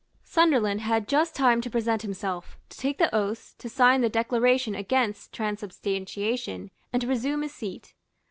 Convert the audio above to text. Sunderland had just time to present himself, to take the oaths, to sign the declaration against transubstantiation, and to resume his seat.